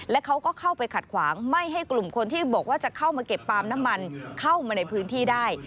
และเขาก็เข้าไปขัดขวางไม่ให้กลุ่มคนที่บอกว่าจะเข้ามาเก็บปาล์มน้ำมันเข้ามาในพื้นที่ได้